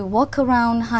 vậy anh có